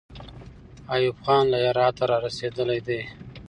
ایوب خان له هراته را رسېدلی دی.